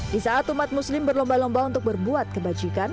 di saat umat muslim berlomba lomba untuk berbuat kebajikan